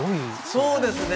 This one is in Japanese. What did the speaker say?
そうですね。